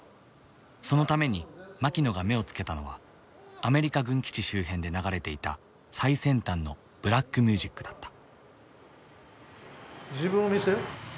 そのためにマキノが目をつけたのはアメリカ軍基地周辺で流れていた最先端のブラックミュージックだった。